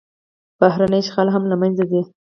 بهرنی اشغال هم له منځه ځي.